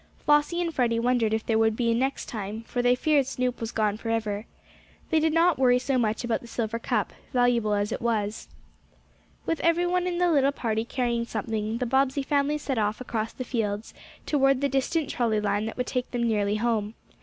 Flossie and Freddie wondered if there would be a "next time," for they feared Snoop was gone forever. They did not worry so much about the silver cup, valuable as it was. With everyone in the little party carrying something, the Bobbsey family set off across, the fields toward the distant trolley line that would take them nearly home.